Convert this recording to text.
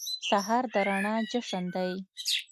سهار د رڼا جشن دی.